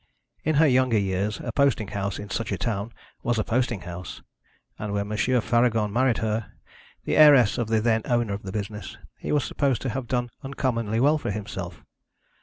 In her younger years, a posting house in such a town was a posting house; and when M. Faragon married her, the heiress of the then owner of the business, he was supposed to have done uncommonly well for himself.